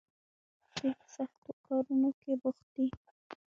دوی په سختو کارونو کې بوخت دي.